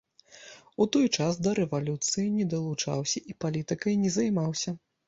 У той час да рэвалюцыі не далучаўся і палітыкай не займаўся.